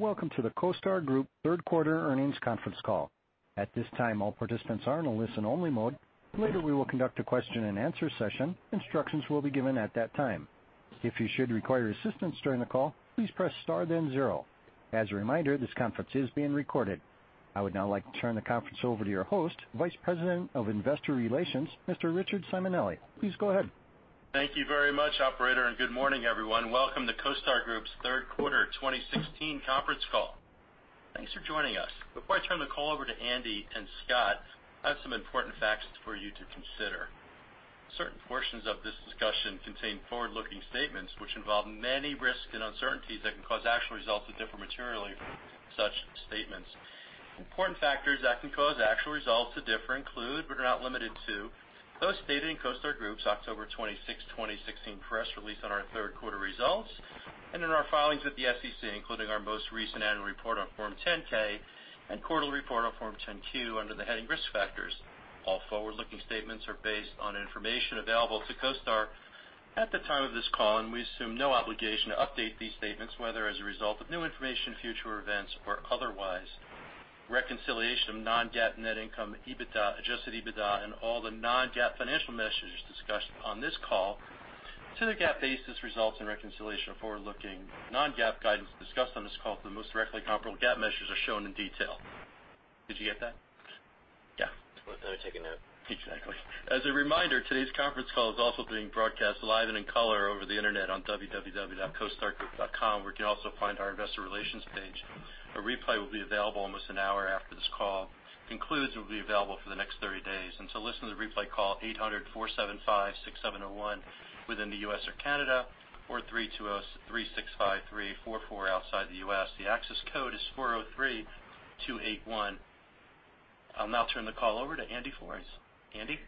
Welcome to the CoStar Group third quarter earnings conference call. At this time, all participants are in a listen-only mode. Later, we will conduct a question-and-answer session. Instructions will be given at that time. If you should require assistance during the call, please press star then zero. As a reminder, this conference is being recorded. I would now like to turn the conference over to your host, Vice President of Investor Relations, Mr. Richard Simonelli. Please go ahead. Thank you very much, operator. Good morning, everyone. Welcome to CoStar Group's third quarter 2016 conference call. Thanks for joining us. Before I turn the call over to Andy and Scott, I have some important facts for you to consider. Certain portions of this discussion contain forward-looking statements which involve many risks and uncertainties that can cause actual results to differ materially from such statements. Important factors that can cause actual results to differ include, but are not limited to, those stated in CoStar Group's October 26, 2016, press release on our third quarter results, and in our filings with the SEC, including our most recent annual report on Form 10-K and quarterly report on Form 10-Q under the heading Risk Factors. All forward-looking statements are based on information available to CoStar at the time of this call. We assume no obligation to update these statements, whether as a result of new information, future events, or otherwise. Reconciliation of non-GAAP net income, EBITDA, adjusted EBITDA, and all the non-GAAP financial measures discussed on this call to the GAAP basis results and reconciliation of forward-looking non-GAAP guidance discussed on this call to the most directly comparable GAAP measures are shown in detail. Did you get that? Yeah. I was taking notes. Exactly. As a reminder, today's conference call is also being broadcast live and in color over the internet on www.costargroup.com, where you can also find our investor relations page. A replay will be available almost an hour after this call concludes and will be available for the next 30 days. To listen to the replay, call 800-475-6701 within the U.S. or Canada, or 320-365-344 outside the U.S. The access code is 403281. I'll now turn the call over to Andy Florance. Andy?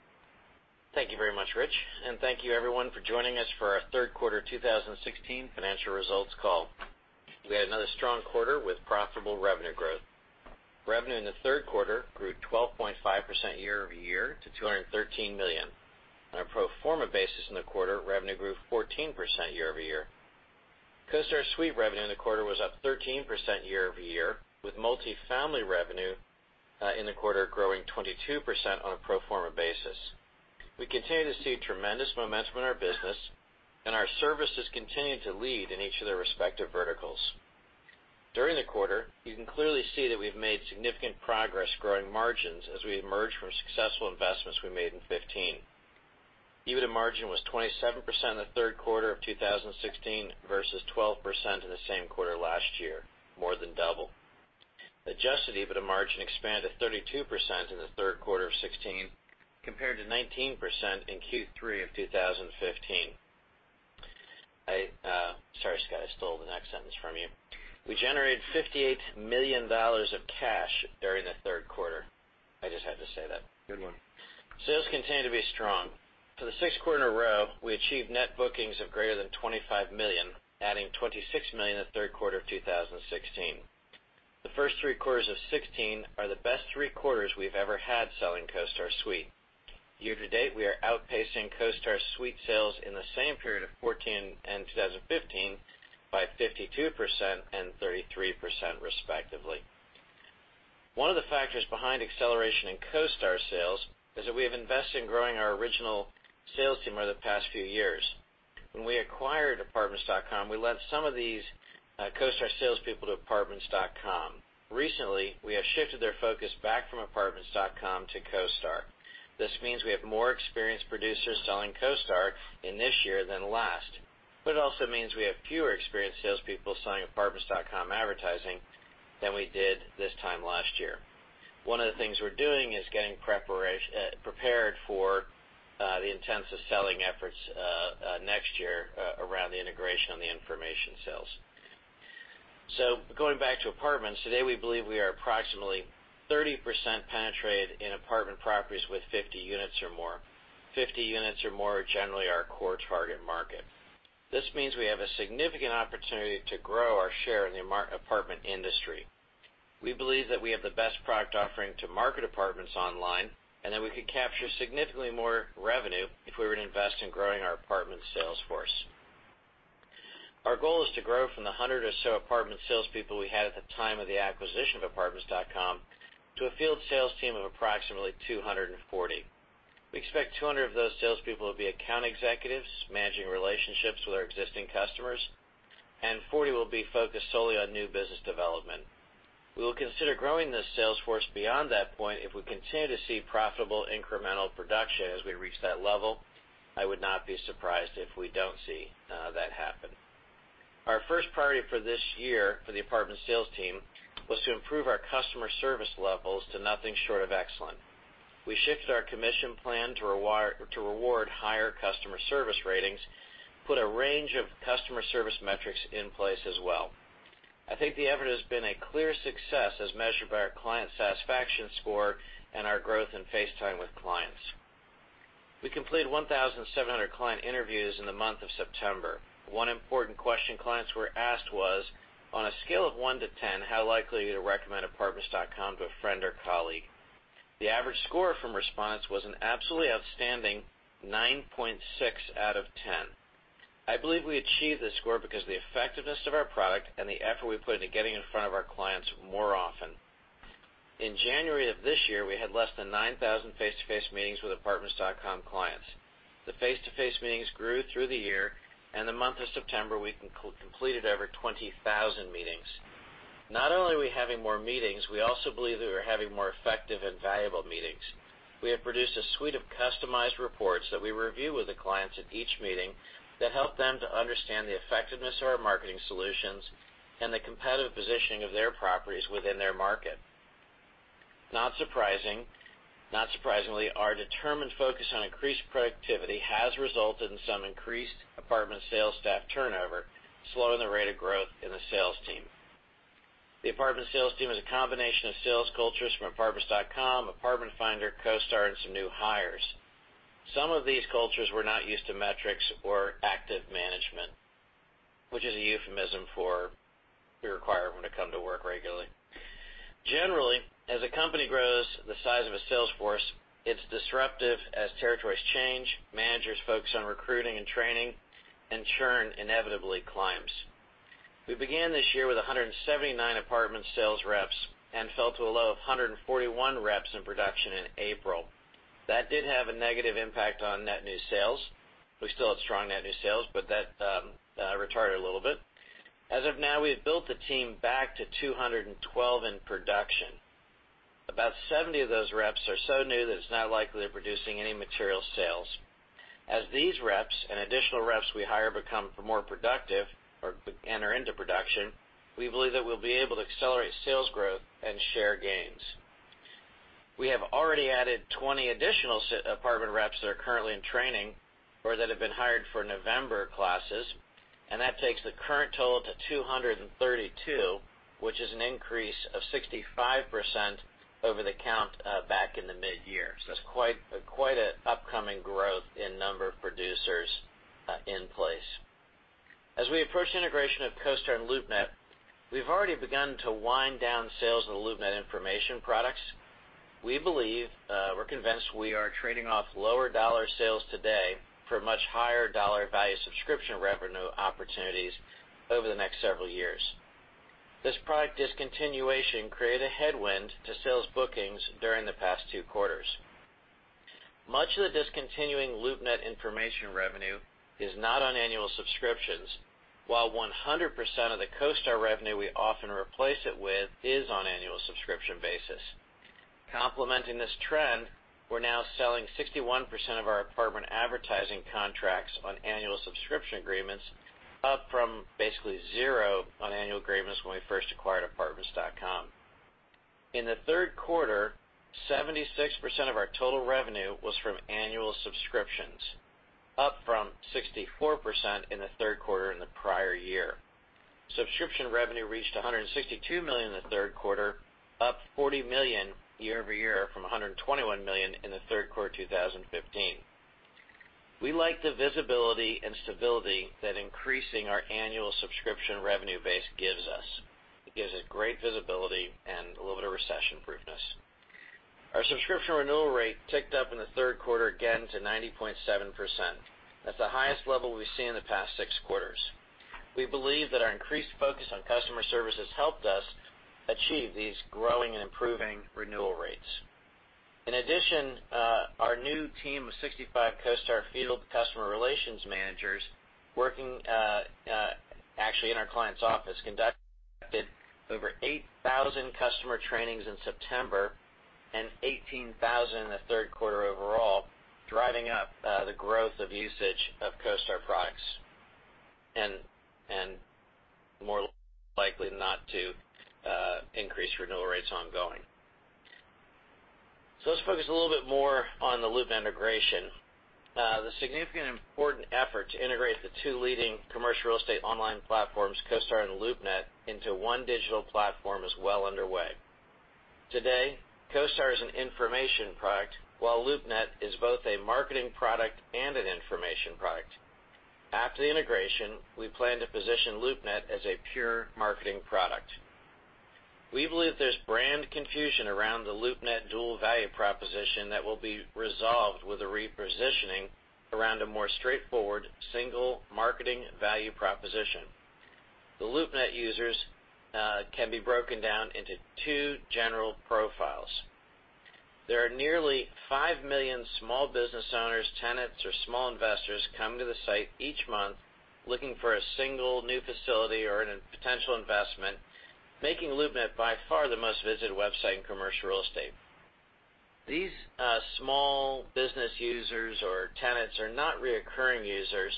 Thank you very much, Rich, and thank you everyone for joining us for our third quarter 2016 financial results call. We had another strong quarter with profitable revenue growth. Revenue in the third quarter grew 12.5% year-over-year to $213 million. On a pro forma basis in the quarter, revenue grew 14% year-over-year. CoStar Suite revenue in the quarter was up 13% year-over-year, with multifamily revenue in the quarter growing 22% on a pro forma basis. We continue to see tremendous momentum in our business, and our services continue to lead in each of their respective verticals. During the quarter, you can clearly see that we've made significant progress growing margins as we emerge from successful investments we made in 2015. EBITDA margin was 27% in the third quarter of 2016 versus 12% in the same quarter last year, more than double. Adjusted EBITDA margin expanded to 32% in the third quarter of 2016, compared to 19% in Q3 of 2015. Sorry, Scott, I stole the next sentence from you. We generated $58 million of cash during the third quarter. I just had to say that. Good one. Sales continue to be strong. For the sixth quarter in a row, we achieved net bookings of greater than $25 million, adding $26 million in the third quarter of 2016. The first three quarters of 2016 are the best three quarters we've ever had selling CoStar Suite. Year to date, we are outpacing CoStar Suite sales in the same period of 2014 and 2015 by 52% and 33%, respectively. One of the factors behind acceleration in CoStar sales is that we have invested in growing our original sales team over the past few years. When we acquired Apartments.com, we lent some of these CoStar salespeople to Apartments.com. Recently, we have shifted their focus back from Apartments.com to CoStar. This means we have more experienced producers selling CoStar in this year than last, but it also means we have fewer experienced salespeople selling Apartments.com advertising than we did this time last year. One of the things we're doing is getting prepared for the intensive selling efforts next year around the integration on the information sales. Going back to apartments, today we believe we are approximately 30% penetrated in apartment properties with 50 units or more. 50 units or more are generally our core target market. This means we have a significant opportunity to grow our share in the apartment industry. We believe that we have the best product offering to market apartments online, and that we could capture significantly more revenue if we were to invest in growing our apartment sales force. Our goal is to grow from the 100 or so apartment salespeople we had at the time of the acquisition of apartments.com to a field sales team of approximately 240. We expect 200 of those salespeople will be account executives managing relationships with our existing customers, and 40 will be focused solely on new business development. We will consider growing this sales force beyond that point if we continue to see profitable incremental production as we reach that level. I would not be surprised if we don't see that happen. Our first priority for this year for the apartment sales team was to improve our customer service levels to nothing short of excellent. We shifted our commission plan to reward higher customer service ratings, put a range of customer service metrics in place as well. I think the effort has been a clear success as measured by our client satisfaction score and our growth in face time with clients. We completed 1,700 client interviews in the month of September. One important question clients were asked was, on a scale of one to 10, how likely are you to recommend Apartments.com to a friend or colleague? The average score from response was an absolutely outstanding 9.6 out of 10. I believe we achieved this score because the effectiveness of our product and the effort we put into getting in front of our clients more often. In January of this year, we had less than 9,000 face-to-face meetings with Apartments.com clients. The face-to-face meetings grew through the year, and the month of September, we completed over 20,000 meetings. Not only are we having more meetings, we also believe that we're having more effective and valuable meetings. We have produced a suite of customized reports that we review with the clients at each meeting that help them to understand the effectiveness of our marketing solutions and the competitive positioning of their properties within their market. Not surprisingly, our determined focus on increased productivity has resulted in some increased apartment sales staff turnover, slowing the rate of growth in the sales team. The apartment sales team is a combination of sales cultures from Apartments.com, Apartment Finder, CoStar, and some new hires. Some of these cultures were not used to metrics or active management, which is a euphemism for we require them to come to work regularly. Generally, as a company grows the size of a sales force, it's disruptive as territories change, managers focus on recruiting and training, and churn inevitably climbs. We began this year with 179 apartment sales reps and fell to a low of 141 reps in production in April. That did have a negative impact on net new sales. We still had strong net new sales, but that retarded a little bit. As of now, we've built the team back to 212 in production. About 70 of those reps are so new that it's not likely they're producing any material sales. As these reps and additional reps we hire become more productive or enter into production, we believe that we'll be able to accelerate sales growth and share gains. We have already added 20 additional apartment reps that are currently in training or that have been hired for November classes, and that takes the current total to 232, which is an increase of 65% over the count back in the mid-year. It's quite an upcoming growth in number of producers in place. As we approach integration of CoStar and LoopNet, we've already begun to wind down sales of the LoopNet information products. We're convinced we are trading off lower dollar sales today for much higher dollar value subscription revenue opportunities over the next several years. This product discontinuation created a headwind to sales bookings during the past two quarters. Much of the discontinuing LoopNet information revenue is not on annual subscriptions, while 100% of the CoStar revenue we often replace it with is on annual subscription basis. Complementing this trend, we're now selling 61% of our apartment advertising contracts on annual subscription agreements, up from basically zero on annual agreements when we first acquired Apartments.com. In the third quarter, 76% of our total revenue was from annual subscriptions, up from 64% in the third quarter in the prior year. Subscription revenue reached $162 million in the third quarter, up $40 million year-over-year from $121 million in the third quarter 2015. We like the visibility and stability that increasing our annual subscription revenue base gives us. It gives us great visibility and a little bit of recession-proofness. Our subscription renewal rate ticked up in the third quarter again to 90.7%. That's the highest level we've seen in the past six quarters. We believe that our increased focus on customer service has helped us achieve these growing and improving renewal rates. In addition, our new team of 65 CoStar field customer relations managers working actually in our client's office, conducted over 8,000 customer trainings in September and 18,000 in the third quarter overall, driving up the growth of usage of CoStar products and more likely than not to increase renewal rates ongoing. Let's focus a little bit more on the LoopNet integration. The significant important effort to integrate the two leading commercial real estate online platforms, CoStar and LoopNet, into one digital platform is well underway. Today, CoStar is an information product, while LoopNet is both a marketing product and an information product. After the integration, we plan to position LoopNet as a pure marketing product. We believe there's brand confusion around the LoopNet dual value proposition that will be resolved with a repositioning around a more straightforward single marketing value proposition. The LoopNet users can be broken down into two general profiles. There are nearly 5 million small business owners, tenants, or small investors come to the site each month looking for a single new facility or potential investment, making LoopNet by far the most visited website in commercial real estate. These small business users or tenants are not reoccurring users,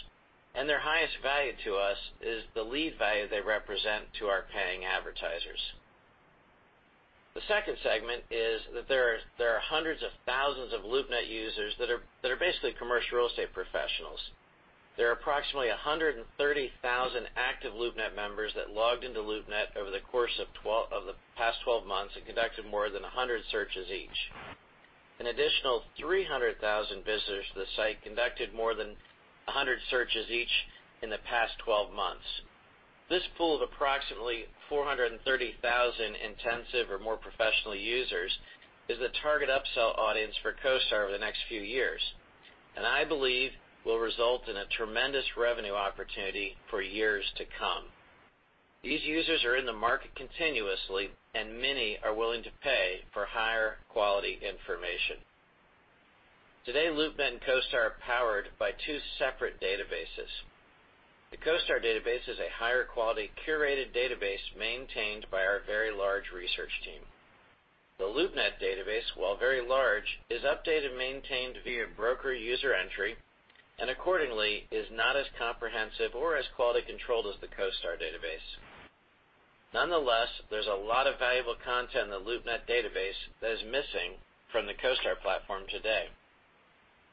and their highest value to us is the lead value they represent to our paying advertisers. The second segment is that there are hundreds of thousands of LoopNet users that are basically commercial real estate professionals. There are approximately 130,000 active LoopNet members that logged into LoopNet over the course of the past 12 months and conducted more than 100 searches each. An additional 300,000 visitors to the site conducted more than 100 searches each in the past 12 months. This pool of approximately 430,000 intensive or more professional users is the target upsell audience for CoStar over the next few years and I believe will result in a tremendous revenue opportunity for years to come. These users are in the market continuously, and many are willing to pay for higher quality information. Today, LoopNet and CoStar are powered by two separate databases. The CoStar database is a higher quality, curated database maintained by our very large research team. The LoopNet database, while very large, is updated and maintained via broker user entry and accordingly, is not as comprehensive or as quality controlled as the CoStar database. Nonetheless, there's a lot of valuable content in the LoopNet database that is missing from the CoStar platform today.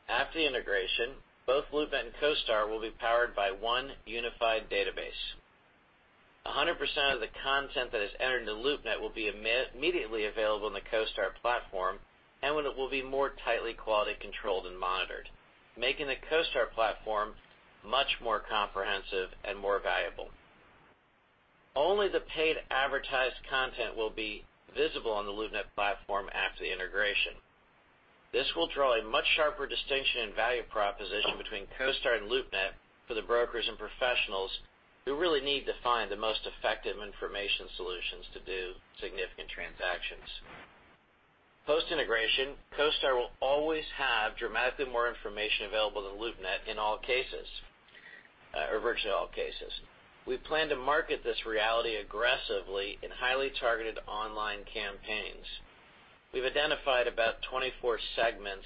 After the integration, both LoopNet and CoStar will be powered by one unified database. 100% of the content that is entered into LoopNet will be immediately available on the CoStar platform and will be more tightly quality controlled and monitored, making the CoStar platform much more comprehensive and more valuable. Only the paid advertised content will be visible on the LoopNet platform after the integration. This will draw a much sharper distinction in value proposition between CoStar and LoopNet for the brokers and professionals who really need to find the most effective information solutions to do significant transactions. Post-integration, CoStar will always have dramatically more information available than LoopNet in all cases, or virtually all cases. We plan to market this reality aggressively in highly targeted online campaigns. We've identified about 24 segments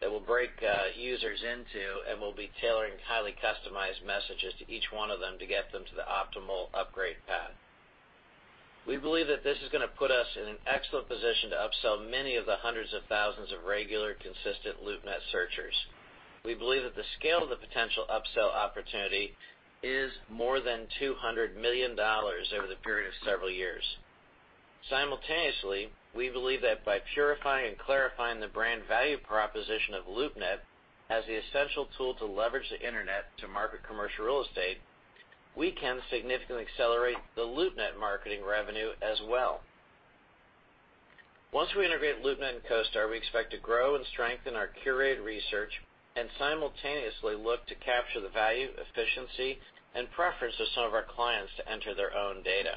that we'll break users into, and we'll be tailoring highly customized messages to each one of them to get them to the optimal upgrade path. We believe that this is going to put us in an excellent position to upsell many of the hundreds of thousands of regular, consistent LoopNet searchers. We believe that the scale of the potential upsell opportunity is more than $200 million over the period of several years. Simultaneously, we believe that by purifying and clarifying the brand value proposition of LoopNet as the essential tool to leverage the internet to market commercial real estate, we can significantly accelerate the LoopNet marketing revenue as well. Once we integrate LoopNet and CoStar, we expect to grow and strengthen our curated research and simultaneously look to capture the value, efficiency, and preference of some of our clients to enter their own data.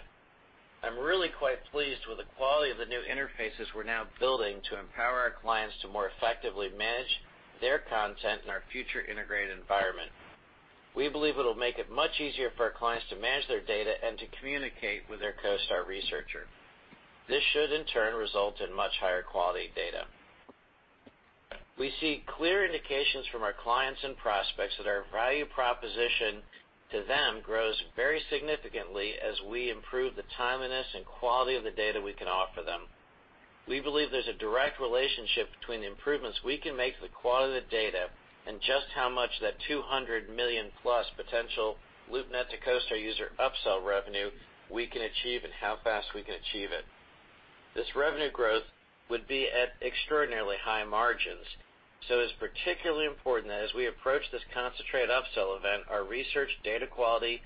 I'm really quite pleased with the quality of the new interfaces we're now building to empower our clients to more effectively manage their content in our future integrated environment. We believe it'll make it much easier for our clients to manage their data and to communicate with their CoStar researcher. This should, in turn, result in much higher quality data. We see clear indications from our clients and prospects that our value proposition to them grows very significantly as we improve the timeliness and quality of the data we can offer them. We believe there's a direct relationship between the improvements we can make to the quality of the data and just how much that 200 million-plus potential LoopNet-to-CoStar-user upsell revenue we can achieve and how fast we can achieve it. This revenue growth would be at extraordinarily high margins, so it's particularly important that as we approach this concentrated upsell event, our research, data quality,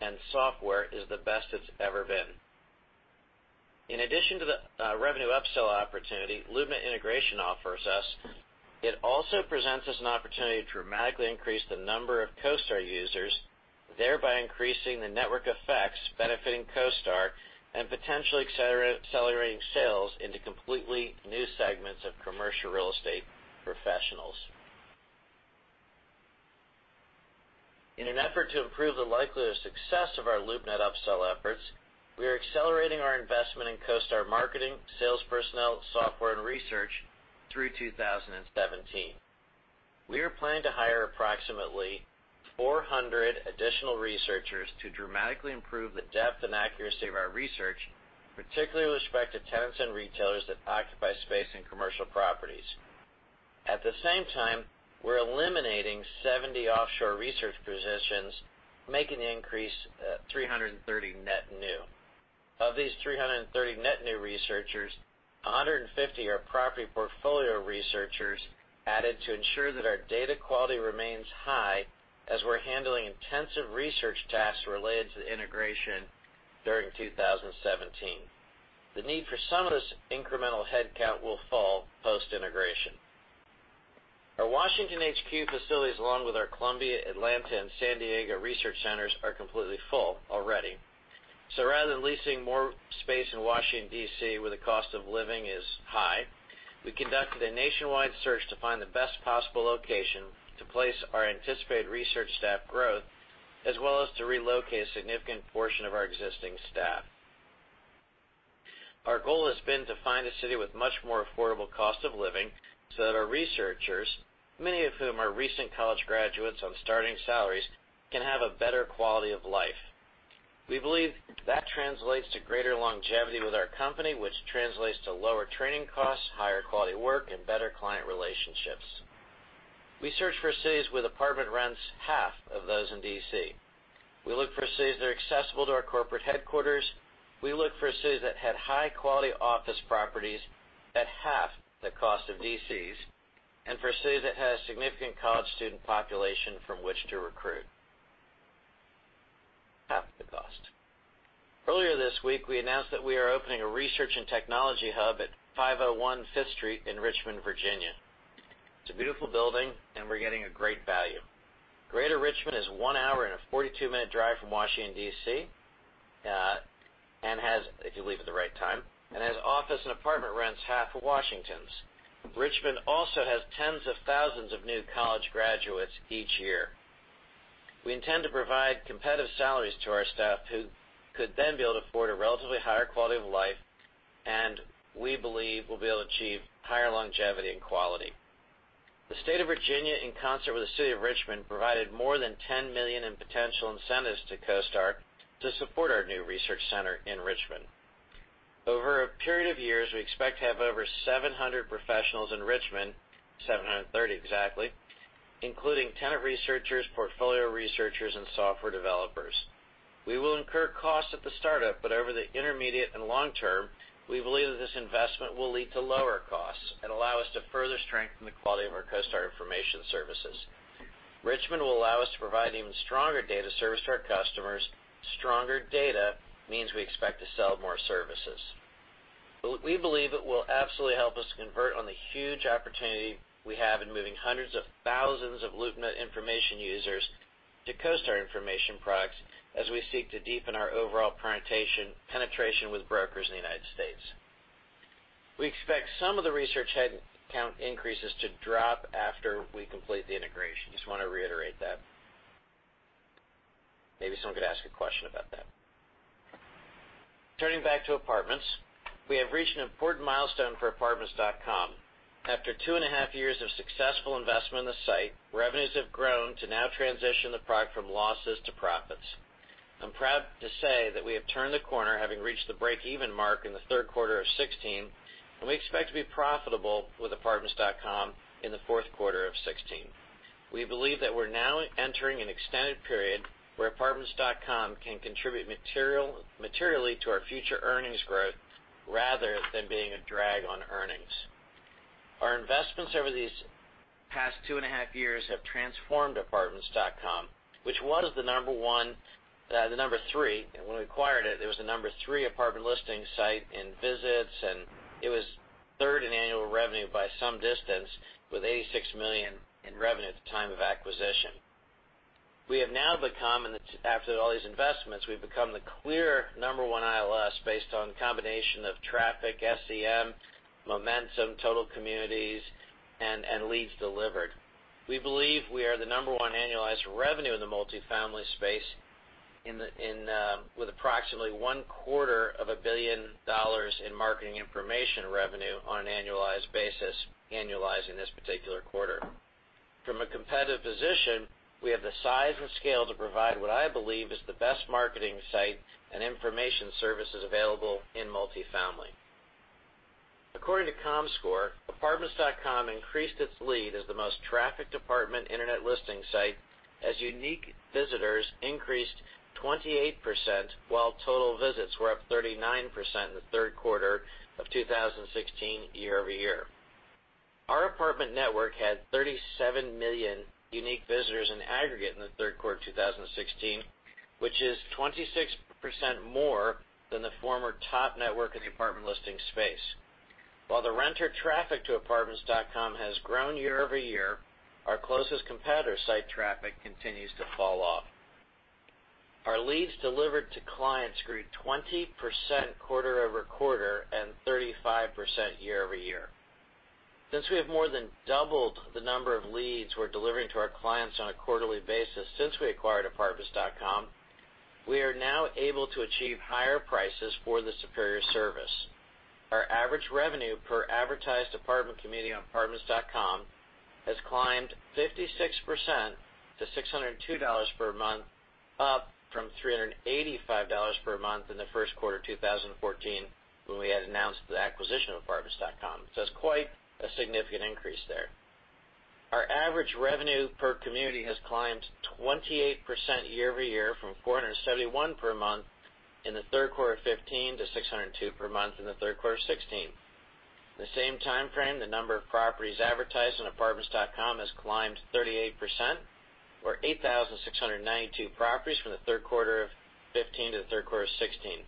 and software is the best it's ever been. In addition to the revenue upsell opportunity LoopNet integration offers us, it also presents us an opportunity to dramatically increase the number of CoStar users, thereby increasing the network effects benefiting CoStar and potentially accelerating sales into completely new segments of commercial real estate professionals. In an effort to improve the likelihood of success of our LoopNet upsell efforts, we are accelerating our investment in CoStar marketing, sales personnel, software, and research through 2017. We are planning to hire approximately 400 additional researchers to dramatically improve the depth and accuracy of our research, particularly with respect to tenants and retailers that occupy space in commercial properties. At the same time, we're eliminating 70 offshore research positions, making the increase 330 net new. Of these 330 net new researchers, 150 are property portfolio researchers added to ensure that our data quality remains high as we're handling intensive research tasks related to the integration during 2017. The need for some of this incremental headcount will fall post-integration. Our Washington HQ facilities, along with our Columbia, Atlanta, and San Diego research centers, are completely full already. Rather than leasing more space in Washington, D.C., where the cost of living is high, we conducted a nationwide search to find the best possible location to place our anticipated research staff growth, as well as to relocate a significant portion of our existing staff. Our goal has been to find a city with much more affordable cost of living so that our researchers, many of whom are recent college graduates on starting salaries, can have a better quality of life. We believe that translates to greater longevity with our company, which translates to lower training costs, higher quality work, and better client relationships. We searched for cities with apartment rents half of those in D.C. We looked for cities that are accessible to our corporate headquarters. We looked for cities that had high-quality office properties at half the cost of D.C.'s. For a city that has a significant college student population from which to recruit. Half the cost. Earlier this week, we announced that we are opening a research and technology hub at 501 Fifth Street in Richmond, Virginia. It's a beautiful building and we're getting a great value. Greater Richmond is one hour and a 42-minute drive from Washington, D.C., if you leave at the right time, and has office and apartment rents half of Washington's. Richmond also has tens of thousands of new college graduates each year. We intend to provide competitive salaries to our staff who could then be able to afford a relatively higher quality of life, and we believe we'll be able to achieve higher longevity and quality. The State of Virginia, in concert with the City of Richmond, provided more than $10 million in potential incentives to CoStar to support our new research center in Richmond. Over a period of years, we expect to have over 700 professionals in Richmond, 730 exactly, including tenant researchers, portfolio researchers, and software developers. We will incur costs at the startup, over the intermediate and long term, we believe that this investment will lead to lower costs and allow us to further strengthen the quality of our CoStar information services. Richmond will allow us to provide even stronger data service to our customers. Stronger data means we expect to sell more services. We believe it will absolutely help us convert on the huge opportunity we have in moving hundreds of thousands of LoopNet information users to CoStar information products as we seek to deepen our overall penetration with brokers in the U.S. We expect some of the research headcount increases to drop after we complete the integration. Just want to reiterate that. Maybe someone could ask a question about that. Turning back to apartments, we have reached an important milestone for Apartments.com. After two and a half years of successful investment in the site, revenues have grown to now transition the product from losses to profits. I'm proud to say that we have turned the corner, having reached the breakeven mark in the third quarter of 2016, and we expect to be profitable with Apartments.com in the fourth quarter of 2016. We believe that we're now entering an extended period where Apartments.com can contribute materially to our future earnings growth rather than being a drag on earnings. Our investments over these past two and a half years have transformed Apartments.com, which was the number 3, and when we acquired it was the number 3 apartment listing site in visits, and it was third in annual revenue by some distance, with $86 million in revenue at the time of acquisition. After all these investments, we've become the clear number 1 ILS based on combination of traffic, SEM, momentum, total communities, and leads delivered. We believe we are the number 1 annualized revenue in the multifamily space with approximately one quarter of a billion dollars in marketing information revenue on an annualized basis, annualizing this particular quarter. From a competitive position, we have the size and scale to provide what I believe is the best marketing site and information services available in multifamily. According to Comscore, Apartments.com increased its lead as the most trafficked apartment internet listing site, as unique visitors increased 28%, while total visits were up 39% in the third quarter of 2016 year-over-year. Our apartment network had 37 million unique visitors in aggregate in the third quarter of 2016, which is 26% more than the former top network in the apartment listing space. While the renter traffic to Apartments.com has grown year-over-year, our closest competitor site traffic continues to fall off. Our leads delivered to clients grew 20% quarter-over-quarter and 35% year-over-year. Since we have more than doubled the number of leads we're delivering to our clients on a quarterly basis since we acquired Apartments.com, we are now able to achieve higher prices for the superior service. Our average revenue per advertised apartment community on Apartments.com has climbed 56% to $602 per month, up from $385 per month in the first quarter of 2014, when we had announced the acquisition of Apartments.com. It's quite a significant increase there. Our average revenue per community has climbed 28% year-over-year from $471 per month in the third quarter of 2015 to $602 per month in the third quarter of 2016. In the same time frame, the number of properties advertised on Apartments.com has climbed 38%, or 8,692 properties from the third quarter of 2015 to the third quarter of 2016.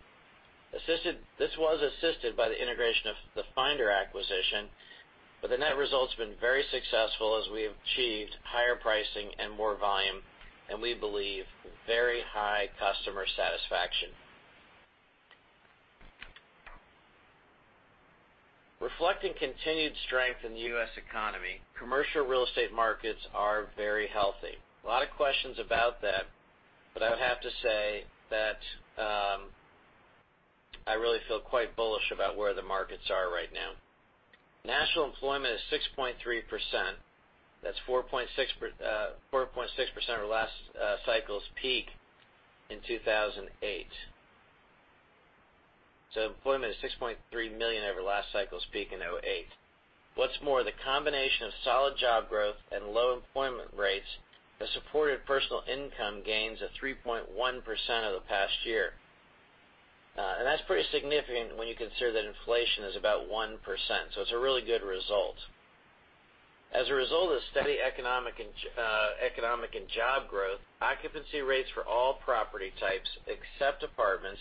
This was assisted by the integration of the Apartment Finder acquisition, but the net result's been very successful as we've achieved higher pricing and more volume, and we believe very high customer satisfaction. Reflecting continued strength in the U.S. economy, commercial real estate markets are very healthy. A lot of questions about that, but I would have to say that I really feel quite bullish about where the markets are right now. National employment is 6.3%. That's 4.6% of last cycle's peak in 2008. Employment is 6.3 million over last cycle's peak in 2008. What's more, the combination of solid job growth and low employment rates has supported personal income gains of 3.1% over the past year. That's pretty significant when you consider that inflation is about 1%, it's a really good result. As a result of steady economic and job growth, occupancy rates for all property types, except apartments,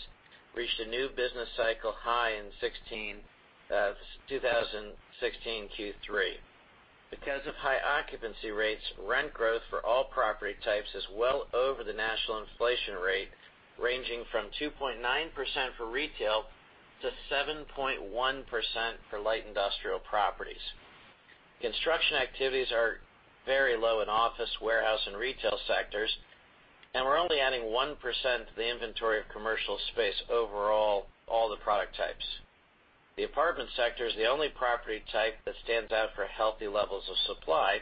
reached a new business cycle high in 2016 Q3. Because of high occupancy rates, rent growth for all property types is well over the national inflation rate, ranging from 2.9% for retail to 7.1% for light industrial properties. Construction activities are very low in office, warehouse, and retail sectors, we're only adding 1% to the inventory of commercial space overall, all the product types. The apartment sector is the only property type that stands out for healthy levels of supply.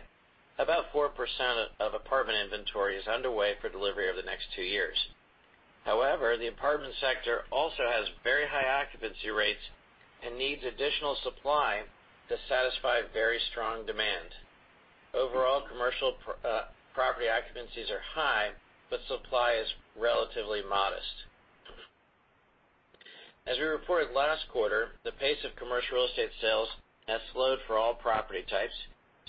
About 4% of apartment inventory is underway for delivery over the next two years. However, the apartment sector also has very high occupancy rates and needs additional supply to satisfy very strong demand. Overall commercial property occupancies are high, supply is relatively modest. As we reported last quarter, the pace of commercial real estate sales has slowed for all property types,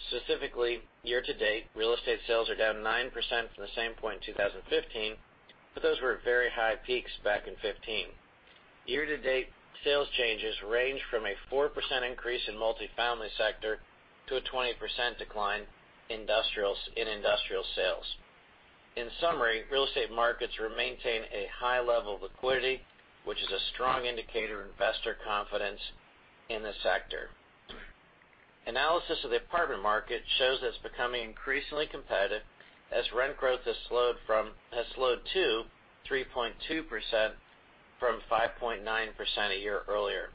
specifically year-to-date, real estate sales are down 9% from the same point in 2015, but those were at very high peaks back in 2015. Year-to-date sales changes range from a 4% increase in multi-family sector to a 20% decline in industrial sales. In summary, real estate markets will maintain a high level of liquidity, which is a strong indicator of investor confidence in the sector. Analysis of the apartment market shows it's becoming increasingly competitive as rent growth has slowed to 3.2% from 5.9% a year earlier.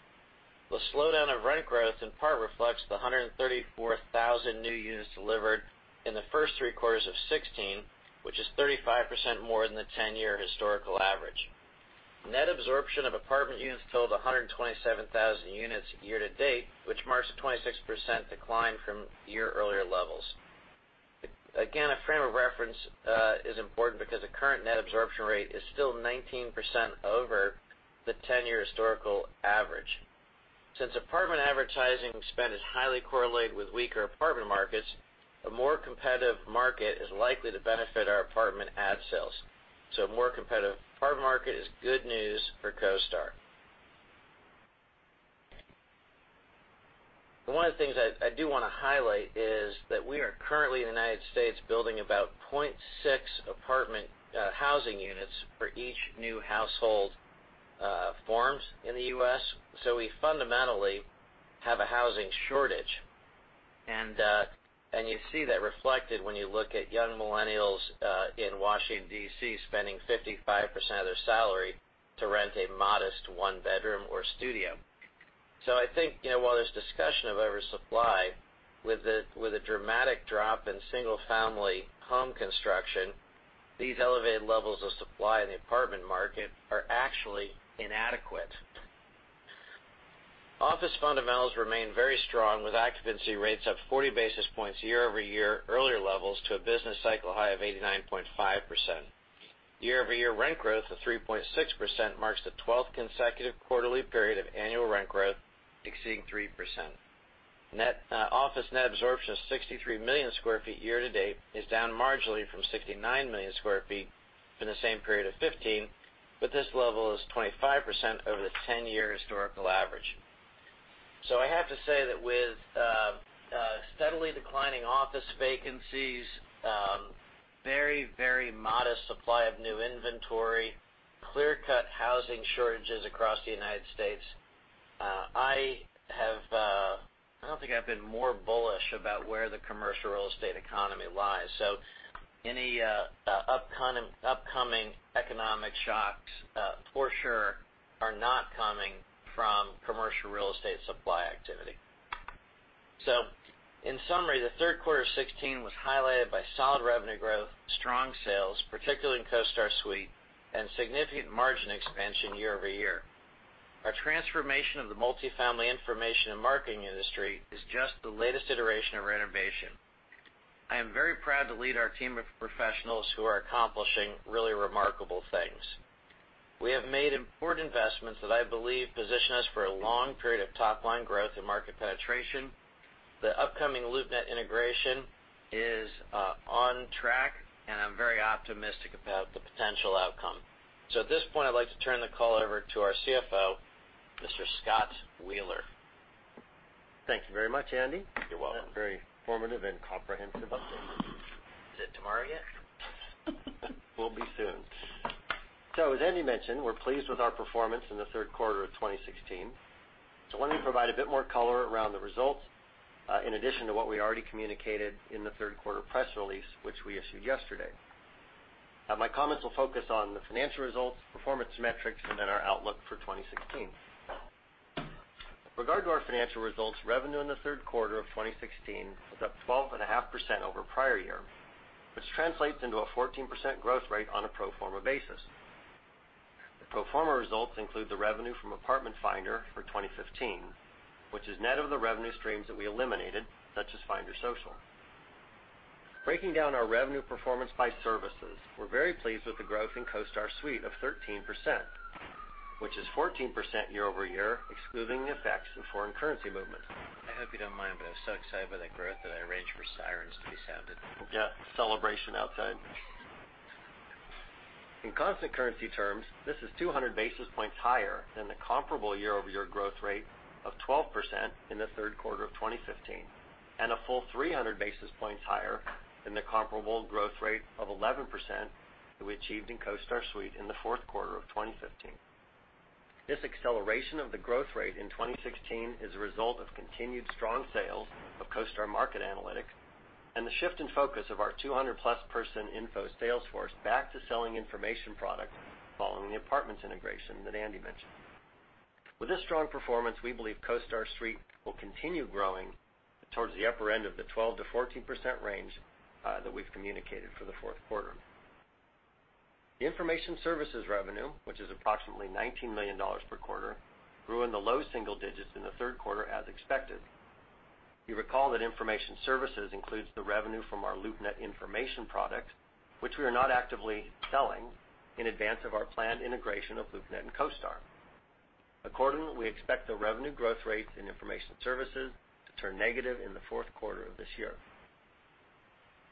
The slowdown of rent growth in part reflects the 134,000 new units delivered in the first three quarters of 2016, which is 35% more than the 10-year historical average. Net absorption of apartment units totaled 127,000 units year-to-date, which marks a 26% decline from year-earlier levels. Again, a frame of reference is important because the current net absorption rate is still 19% over the 10-year historical average. Since apartment advertising spend is highly correlated with weaker apartment markets, a more competitive market is likely to benefit our apartment ad sales. A more competitive apartment market is good news for CoStar. One of the things I do want to highlight is that we are currently, in the United States, building about 0.6 apartment housing units for each new household formed in the U.S. We fundamentally have a housing shortage, and you see that reflected when you look at young millennials in Washington, D.C., spending 55% of their salary to rent a modest one-bedroom or studio. I think, while there's discussion of oversupply, with a dramatic drop in single-family home construction, these elevated levels of supply in the apartment market are actually inadequate. Office fundamentals remain very strong, with occupancy rates up 40 basis points year-over-year earlier levels to a business cycle high of 89.5%. Year-over-year rent growth of 3.6% marks the 12th consecutive quarterly period of annual rent growth exceeding 3%. Office net absorption of 63 million square feet year-to-date is down marginally from 69 million square feet for the same period of 2015, but this level is 25% over the 10-year historical average. I have to say that with steadily declining office vacancies, very modest supply of new inventory, clear-cut housing shortages across the United States, I don't think I've been more bullish about where the commercial real estate economy lies. Any upcoming economic shocks for sure are not coming from commercial real estate supply activity. In summary, the third quarter of 2016 was highlighted by solid revenue growth, strong sales, particularly in CoStar Suite, and significant margin expansion year-over-year. Our transformation of the multi-family information and marketing industry is just the latest iteration of renovation. I am very proud to lead our team of professionals who are accomplishing really remarkable things. We have made important investments that I believe position us for a long period of top-line growth and market penetration. The upcoming LoopNet integration is on track, and I'm very optimistic about the potential outcome. At this point, I'd like to turn the call over to our CFO, Mr. Scott Wheeler. Thank you very much, Andy. You're welcome. Very formative and comprehensive update. Is it tomorrow yet? Will be soon. As Andy mentioned, we're pleased with our performance in the third quarter of 2016. Let me provide a bit more color around the results, in addition to what we already communicated in the third quarter press release, which we issued yesterday. My comments will focus on the financial results, performance metrics, and our outlook for 2016. With regard to our financial results, revenue in the third quarter of 2016 was up 12.5% over prior year, which translates into a 14% growth rate on a pro forma basis. The pro forma results include the revenue from Apartment Finder for 2015, which is net of the revenue streams that we eliminated, such as FinderSocial. Breaking down our revenue performance by services, we're very pleased with the growth in CoStar Suite of 13%, which is 14% year-over-year, excluding the effects of foreign currency movement. I hope you don't mind, I was so excited by that growth that I arranged for sirens to be sounded. Yeah. Celebration outside. In constant currency terms, this is 200 basis points higher than the comparable year-over-year growth rate of 12% in the third quarter of 2015, and a full 300 basis points higher than the comparable growth rate of 11% that we achieved in CoStar Suite in the fourth quarter of 2015. This acceleration of the growth rate in 2016 is a result of continued strong sales of CoStar Market Analytics and the shift in focus of our 200-plus-person info sales force back to selling information product following the apartments integration that Andy mentioned. With this strong performance, we believe CoStar Suite will continue growing towards the upper end of the 12%-14% range that we've communicated for the fourth quarter. The information services revenue, which is approximately $19 million per quarter, grew in the low single digits in the third quarter as expected. You recall that information services includes the revenue from our LoopNet information product, which we are not actively selling in advance of our planned integration of LoopNet and CoStar. Accordingly, we expect the revenue growth rates in information services to turn negative in the fourth quarter of this year.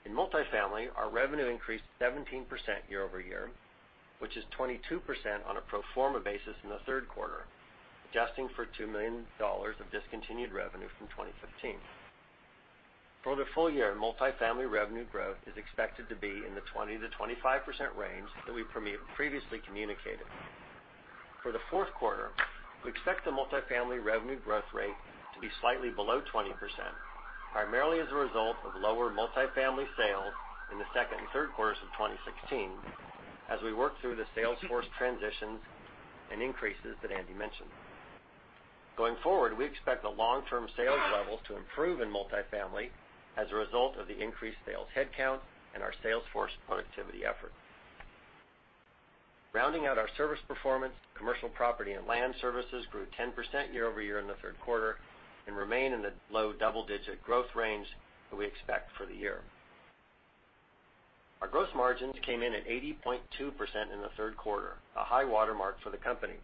In multifamily, our revenue increased 17% year-over-year, which is 22% on a pro forma basis in the third quarter, adjusting for $2 million of discontinued revenue from 2015. For the full year, multifamily revenue growth is expected to be in the 20%-25% range that we previously communicated. For the fourth quarter, we expect the multifamily revenue growth rate to be slightly below 20%, primarily as a result of lower multifamily sales in the second and third quarters of 2016, as we work through the sales force transitions and increases that Andy mentioned. Going forward, we expect the long-term sales levels to improve in multifamily as a result of the increased sales headcount and our sales force productivity effort. Rounding out our service performance, commercial property and land services grew 10% year-over-year in the third quarter and remain in the low double-digit growth range that we expect for the year. Our gross margins came in at 80.2% in the third quarter, a high watermark for the company.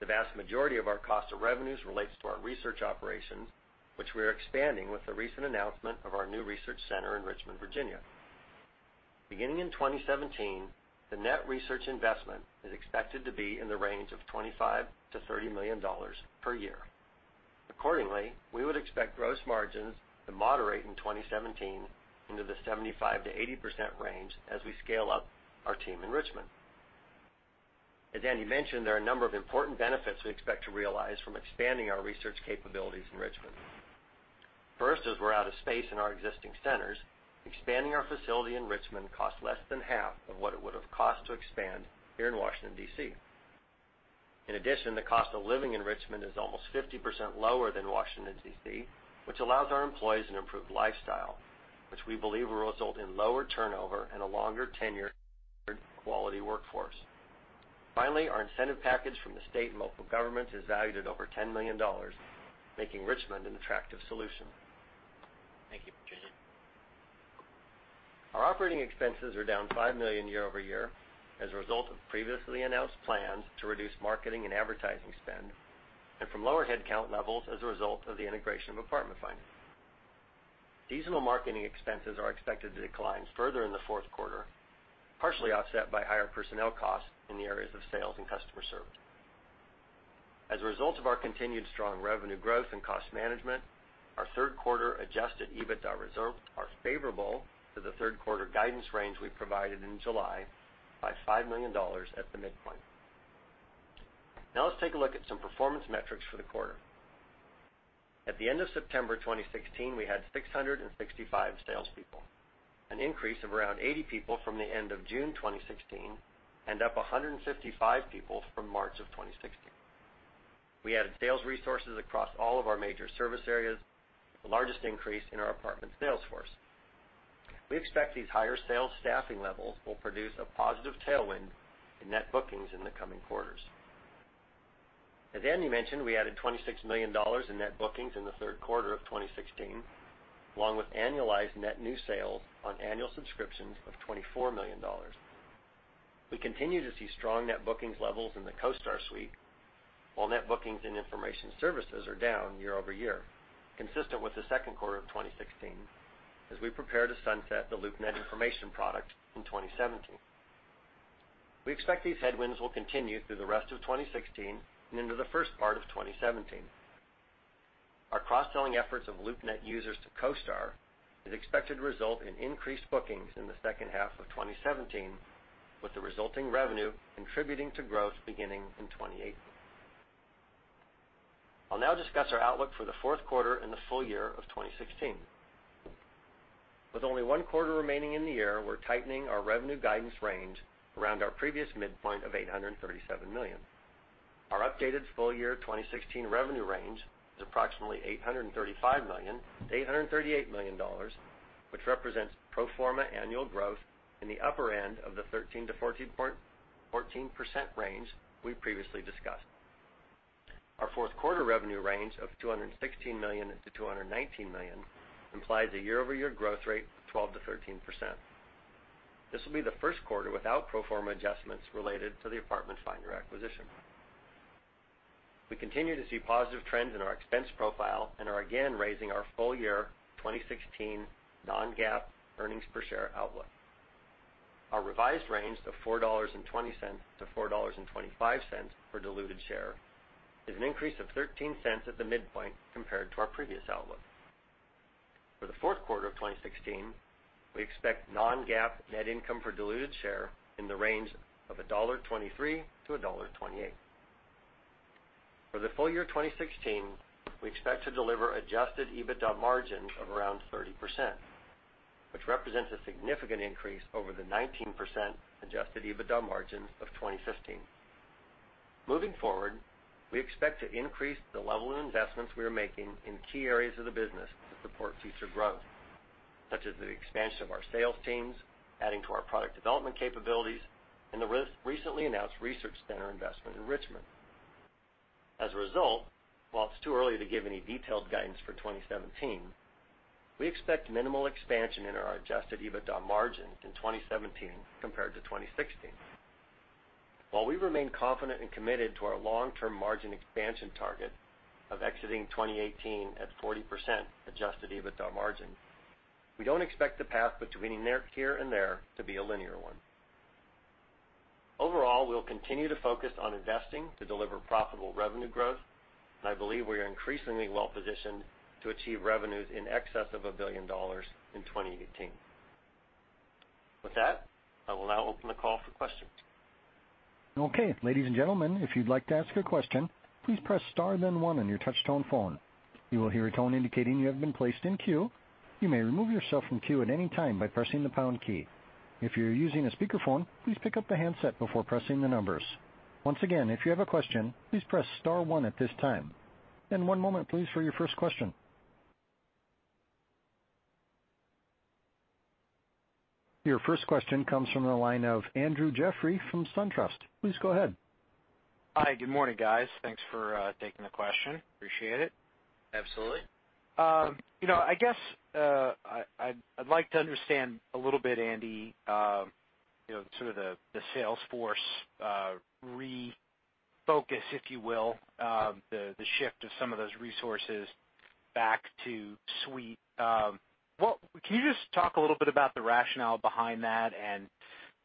The vast majority of our cost of revenues relates to our research operations, which we are expanding with the recent announcement of our new research center in Richmond, Virginia. Beginning in 2017, the net research investment is expected to be in the range of $25 million-$30 million per year. Accordingly, we would expect gross margins to moderate in 2017 into the 75%-80% range as we scale up our team in Richmond. As Andy mentioned, there are a number of important benefits we expect to realize from expanding our research capabilities in Richmond. First, as we're out of space in our existing centers, expanding our facility in Richmond costs less than half of what it would've cost to expand here in Washington, D.C. In addition, the cost of living in Richmond is almost 50% lower than Washington, D.C., which allows our employees an improved lifestyle, which we believe will result in lower turnover and a longer tenure quality workforce. Finally, our incentive package from the state and local government is valued at over $10 million, making Richmond an attractive solution. Thank you. Our operating expenses are down $5 million year-over-year as a result of previously announced plans to reduce marketing and advertising spend, and from lower headcount levels as a result of the integration of Apartment Finder. Seasonal marketing expenses are expected to decline further in the fourth quarter, partially offset by higher personnel costs in the areas of sales and customer service. As a result of our continued strong revenue growth and cost management, our third quarter adjusted EBITDA results are favorable to the third quarter guidance range we provided in July by $5 million at the midpoint. Now let's take a look at some performance metrics for the quarter. At the end of September 2016, we had 665 salespeople, an increase of around 80 people from the end of June 2016, and up 155 people from March of 2016. We added sales resources across all of our major service areas, the largest increase in our apartment sales force. We expect these higher sales staffing levels will produce a positive tailwind in net bookings in the coming quarters. As Andy mentioned, we added $26 million in net bookings in the third quarter of 2016, along with annualized net new sales on annual subscriptions of $24 million. We continue to see strong net bookings levels in the CoStar Suite, while net bookings and information services are down year-over-year, consistent with the second quarter of 2016, as we prepare to sunset the LoopNet information product in 2017. We expect these headwinds will continue through the rest of 2016 and into the first part of 2017. Our cross-selling efforts of LoopNet users to CoStar is expected to result in increased bookings in the second half of 2017, with the resulting revenue contributing to growth beginning in 2018. I'll now discuss our outlook for the fourth quarter and the full year of 2016. With only one quarter remaining in the year, we're tightening our revenue guidance range around our previous midpoint of $837 million. Our updated full year 2016 revenue range is approximately $835 million to $838 million, which represents pro forma annual growth in the upper end of the 13%-14% range we previously discussed. Our fourth quarter revenue range of $216 million to $219 million implies a year-over-year growth rate of 12%-13%. This will be the first quarter without pro forma adjustments related to the Apartment Finder acquisition. We continue to see positive trends in our expense profile and are again raising our full-year 2016 non-GAAP earnings per share outlook. Our revised range of $4.20 to $4.25 per diluted share is an increase of $0.13 at the midpoint compared to our previous outlook. For the fourth quarter of 2016, we expect non-GAAP net income per diluted share in the range of $1.23 to $1.28. For the full year 2016, we expect to deliver adjusted EBITDA margins of around 30%, which represents a significant increase over the 19% adjusted EBITDA margins of 2015. Moving forward, we expect to increase the level of investments we are making in key areas of the business to support future growth, such as the expansion of our sales teams, adding to our product development capabilities, and the recently announced research center investment in Richmond. As a result, while it's too early to give any detailed guidance for 2017, we expect minimal expansion in our adjusted EBITDA margins in 2017 compared to 2016. While we remain confident and committed to our long-term margin expansion target of exiting 2018 at 40% adjusted EBITDA margin, we don't expect the path between here and there to be a linear one. Overall, we'll continue to focus on investing to deliver profitable revenue growth, and I believe we are increasingly well-positioned to achieve revenues in excess of a billion dollars in 2018. With that, I will now open the call for questions. One moment, please, for your first question. Your first question comes from the line of Andrew Jeffrey from SunTrust. Please go ahead. Hi. Good morning, guys. Thanks for taking the question. Appreciate it. Absolutely. I'd like to understand a little bit, Andy, the sales force refocus, if you will, the shift of some of those resources back to CoStar Suite. Can you just talk a little bit about the rationale behind that and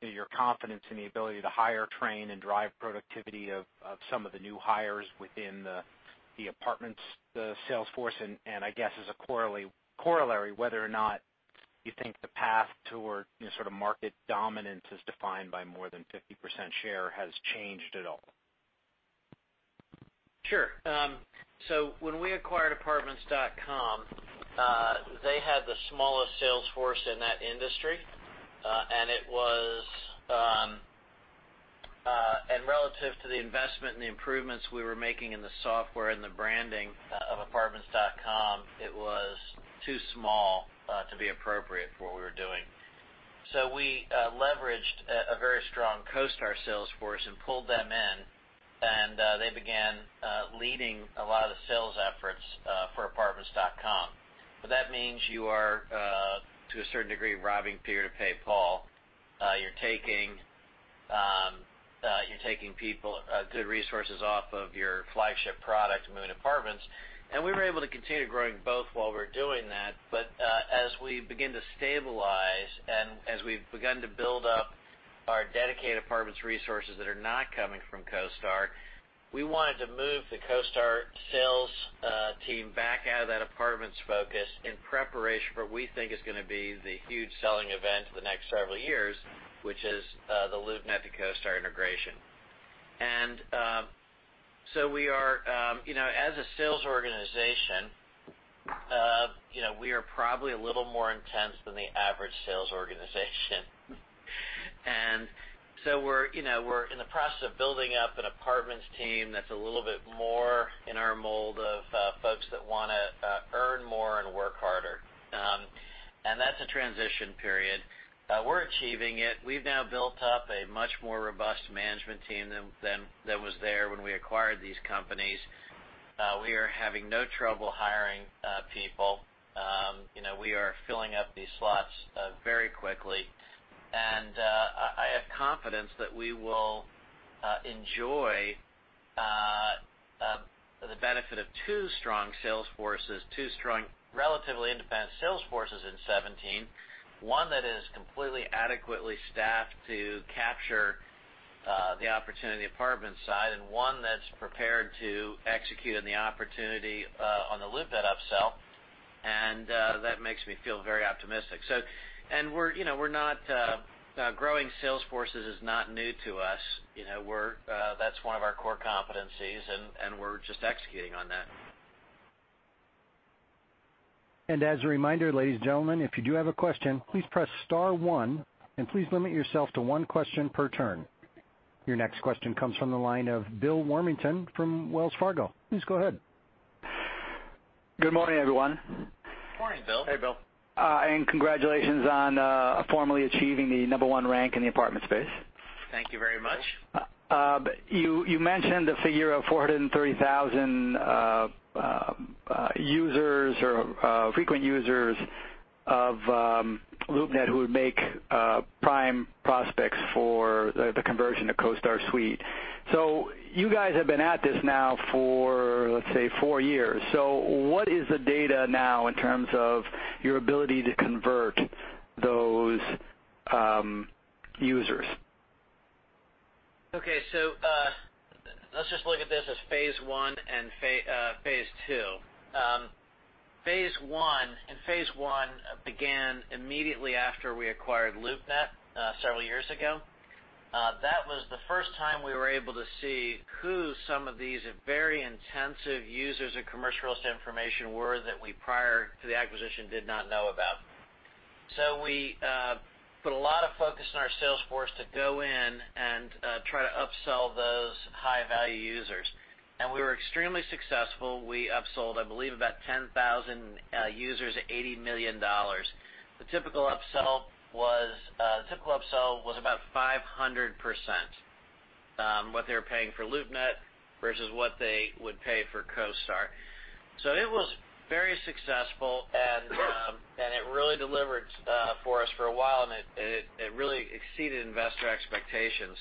your confidence in the ability to hire, train, and drive productivity of some of the new hires within the Apartments sales force and, I guess as a corollary, whether or not you think the path toward market dominance as defined by more than 50% share has changed at all? When we acquired Apartments.com, they had the smallest sales force in that industry, and relative to the investment and the improvements we were making in the software and the branding of Apartments.com, it was too small to be appropriate for what we were doing. We leveraged a very strong CoStar sales force and pulled them in, and they began leading a lot of the sales efforts for Apartments.com. That means you are, to a certain degree, robbing Peter to pay Paul. You're taking good resources off of your flagship product, Move-in Apartments, and we were able to continue growing both while we were doing that. As we begin to stabilize and as we've begun to build up our dedicated apartments resources that are not coming from CoStar, we wanted to move the CoStar sales team back out of that apartments focus in preparation for what we think is going to be the huge selling event of the next several years, which is the LoopNet to CoStar integration. As a sales organization, we are probably a little more intense than the average sales organization. We're in the process of building up an apartments team that's a little bit more in our mold of folks that want to earn more and work harder. That's a transition period. We're achieving it. We've now built up a much more robust management team than was there when we acquired these companies. We are having no trouble hiring people. We are filling up these slots very quickly. I have confidence that we will enjoy the benefit of two strong sales forces, two strong, relatively independent sales forces in 2017. One that is completely adequately staffed to capture the opportunity apartments side, and one that's prepared to execute on the opportunity on the LoopNet upsell. That makes me feel very optimistic. Growing sales forces is not new to us. That's one of our core competencies, and we're just executing on that. As a reminder, ladies and gentlemen, if you do have a question, please press star one, and please limit yourself to one question per turn. Your next question comes from the line of Bill Warmington from Wells Fargo. Please go ahead. Good morning, everyone. Good morning, Bill. Hey, Bill. Congratulations on formally achieving the number one rank in the apartment space. Thank you very much. You mentioned the figure of 430,000 users or frequent users of LoopNet who would make prime prospects for the conversion to CoStar Suite. You guys have been at this now for, let's say, four years. What is the data now in terms of your ability to convert those users? Okay. Let's just look at this as phase one and phase two. Phase one began immediately after we acquired LoopNet several years ago. That was the first time we were able to see who some of these very intensive users of commercial real estate information were that we, prior to the acquisition, did not know about. We put a lot of focus on our sales force to go in and try to upsell those high-value users, and we were extremely successful. We upsold, I believe, about 10,000 users at $80 million. The typical upsell was about 500%, what they were paying for LoopNet versus what they would pay for CoStar. It was very successful, and it really delivered for us for a while, and it really exceeded investor expectations.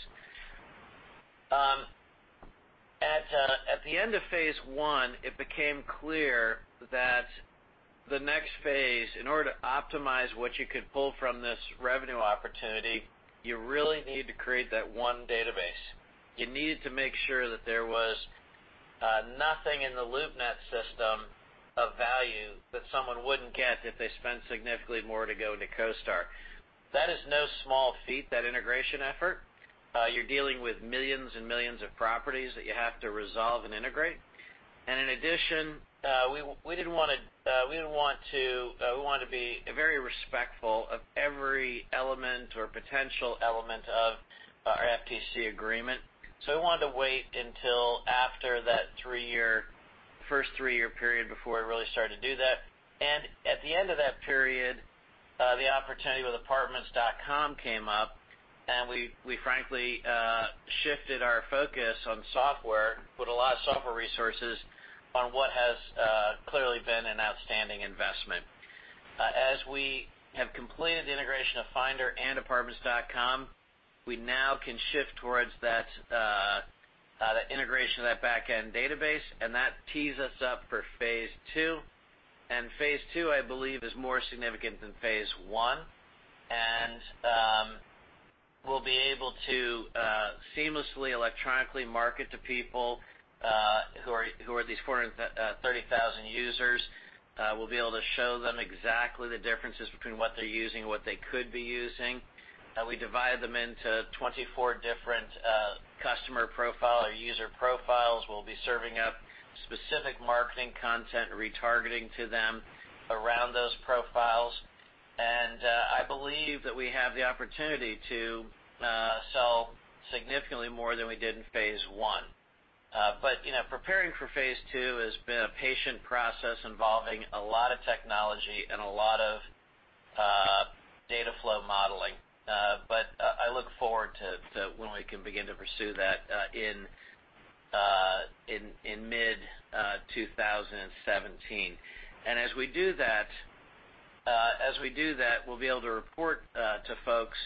At the end of phase one, it became clear that the next phase, in order to optimize what you could pull from this revenue opportunity, you really need to create that one database. You needed to make sure that there was nothing in the LoopNet system of value that someone wouldn't get if they spent significantly more to go into CoStar. That is no small feat, that integration effort. You're dealing with millions and millions of properties that you have to resolve and integrate. In addition, we want to be very respectful of every element or potential element of our FTC agreement. We wanted to wait until after that first three-year period before we really started to do that. At the end of that period, the opportunity with Apartments.com came up, and we frankly shifted our focus on software, put a lot of software resources on what has clearly been an outstanding investment. As we have completed the integration of Apartment Finder and Apartments.com, we now can shift towards the integration of that back-end database, and that tees us up for phase two. Phase two, I believe, is more significant than phase one. We'll be able to seamlessly electronically market to people who are these 430,000 users. We'll be able to show them exactly the differences between what they're using and what they could be using. We divide them into 24 different customer profile or user profiles. We'll be serving up specific marketing content, retargeting to them around those profiles. I believe that we have the opportunity to sell significantly more than we did in phase one. Preparing for phase two has been a patient process involving a lot of technology and a lot of data flow modeling. I look forward to when we can begin to pursue that in mid-2017. As we do that, we'll be able to report to folks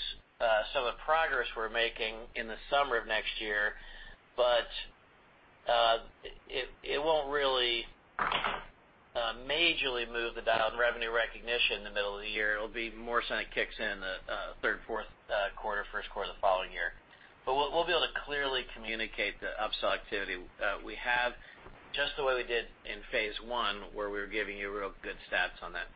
some of the progress we're making in the summer of next year. It won't really majorly move the dial of the revenue recognition in the middle of the year. It'll be more something that kicks in the third, fourth quarter, first quarter of the following year. We'll be able to clearly communicate the upsell activity we have, just the way we did in phase one, where we were giving you real good stats on that.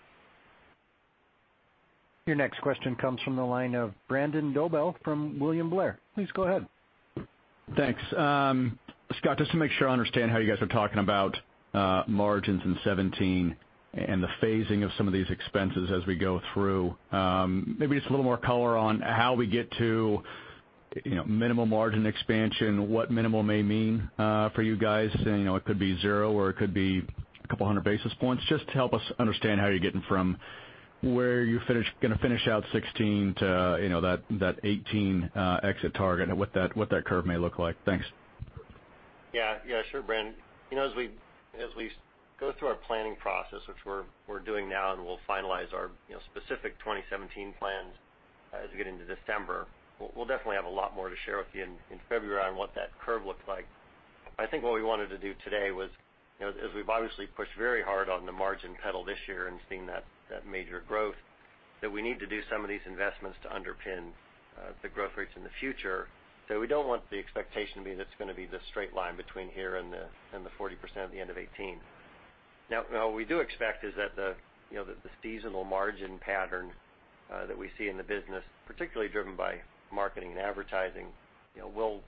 Your next question comes from the line of Brandon Dobell from William Blair. Please go ahead. Thanks. Scott, just to make sure I understand how you guys are talking about margins in 2017 and the phasing of some of these expenses as we go through. Maybe just a little more color on how we get to minimum margin expansion, what minimal may mean for you guys. It could be zero or it could be a couple of hundred basis points. Just to help us understand how you're getting from where you're going to finish out 2016 to that 2018 exit target and what that curve may look like. Thanks. Yeah. Sure, Brandon. As we go through our planning process, which we're doing now, we'll finalize our specific 2017 plans as we get into December, we'll definitely have a lot more to share with you in February on what that curve looks like. I think what we wanted to do today was, as we've obviously pushed very hard on the margin pedal this year and seen that major growth, that we need to do some of these investments to underpin the growth rates in the future. We don't want the expectation to be that it's going to be this straight line between here and the 40% at the end of 2018. Now, what we do expect is that the seasonal margin pattern that we see in the business, particularly driven by marketing and advertising, will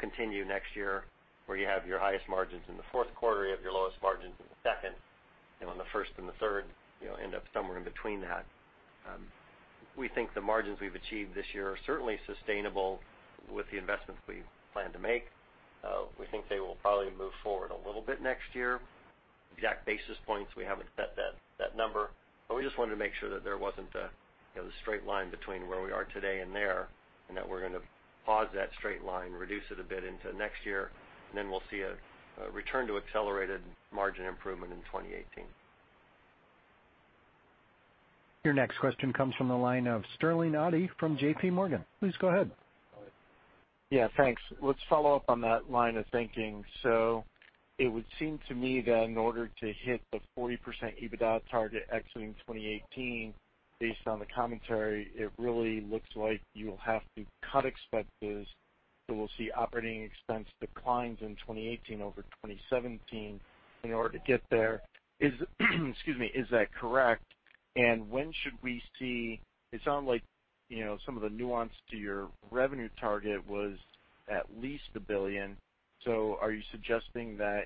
continue next year, where you have your highest margins in the fourth quarter, you have your lowest margins in the second, and the first and the third end up somewhere in between that. We think the margins we've achieved this year are certainly sustainable with the investments we plan to make. We think they will probably move forward a little bit next year. Exact basis points, we haven't set that number. We just wanted to make sure that there wasn't a straight line between where we are today and there, and that we're going to pause that straight line, reduce it a bit into next year, and then we'll see a return to accelerated margin improvement in 2018. Your next question comes from the line of Sterling Auty from JPMorgan. Please go ahead. Thanks. Let's follow up on that line of thinking. It would seem to me that in order to hit the 40% EBITDA target exiting 2018, based on the commentary, it really looks like you'll have to cut expenses. We'll see operating expense declines in 2018 over 2017 in order to get there. Is that correct? When should we see It sounded like some of the nuance to your revenue target was at least $1 billion. Are you suggesting that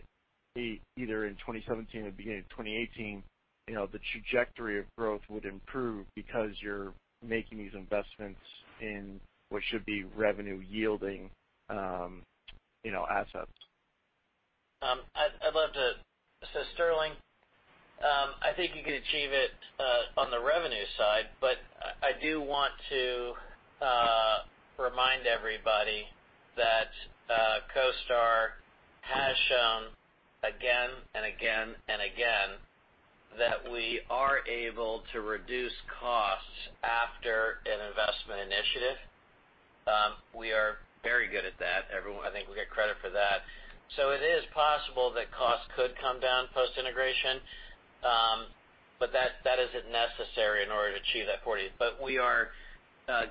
either in 2017 or beginning of 2018, the trajectory of growth would improve because you're making these investments in what should be revenue-yielding assets? Sterling, I think you could achieve it on the revenue side, but I do want to remind everybody that CoStar has shown again and again that we are able to reduce costs after an investment initiative. We are very good at that. I think we get credit for that. It is possible that costs could come down post-integration. That isn't necessary in order to achieve that 40.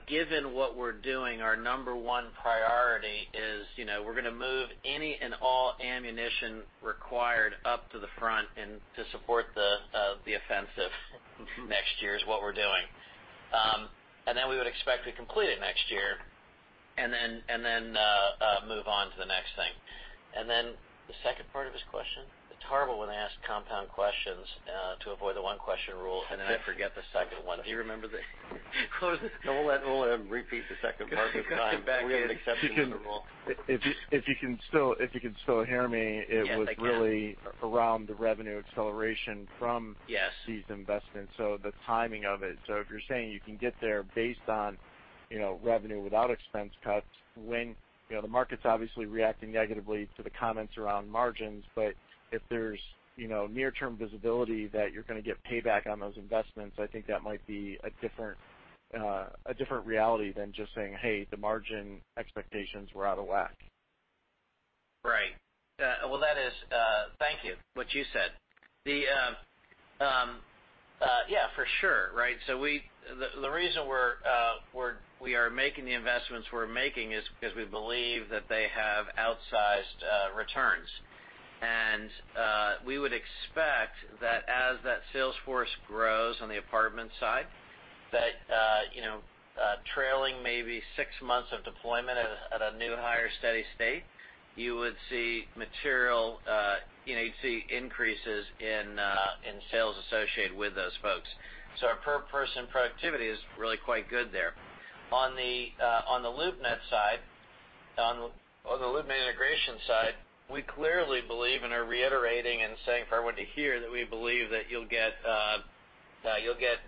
Given what we're doing, our number one priority is we're going to move any and all ammunition required up to the front and to support the offensive next year is what we're doing. We would expect to complete it next year, and then move on to the next thing. The second part of his question? It's horrible when they ask compound questions to avoid the one-question rule, and I forget the second one. Do you remember the We'll let him repeat the second part this time. We have an exception to the rule. If you can still hear me- Yes, I can it was really around the revenue acceleration. Yes these investments, the timing of it. If you're saying you can get there based on revenue without expense cuts, when the market's obviously reacting negatively to the comments around margins, but if there's near-term visibility that you're going to get payback on those investments, I think that might be a different reality than just saying, "Hey, the margin expectations were out of whack. Right. Thank you. What you said. Yeah, for sure. The reason we are making the investments we're making is because we believe that they have outsized returns. We would expect that as that sales force grows on the apartment side, that trailing maybe six months of deployment at a new, higher steady state, you'd see increases in sales associated with those folks. Our per person productivity is really quite good there. On the LoopNet integration side, we clearly believe and are reiterating and saying for everyone to hear that we believe that you'll get